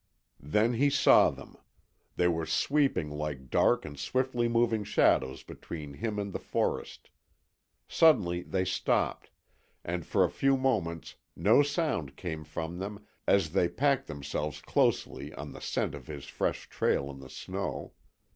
Then he saw them. They were sweeping like dark and swiftly moving shadows between him and the forest. Suddenly they stopped, and for a few moments no sound came from them as they packed themselves closely on the scent of his fresh trail in the snow.